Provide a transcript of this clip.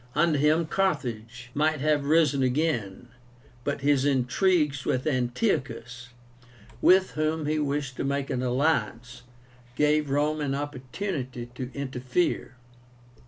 Under him Carthage might have risen again. But his intrigues with Antiochus, with whom he wished to make an alliance, gave Rome an opportunity to interfere.